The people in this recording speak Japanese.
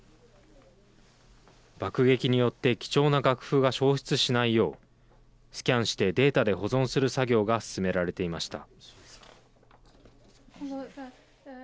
爆撃によって貴重な楽譜が焼失しないようスキャンしてデータで保存する作業が進められていました。